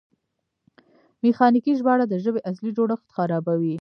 میخانیکي ژباړه د ژبې اصلي جوړښت خرابوي.